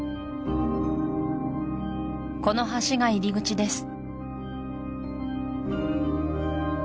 この橋が入り口です